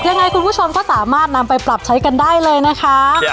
ยังไงคุณผู้ชมก็สามารถนำไปปรับใช้กันได้เลยนะคะ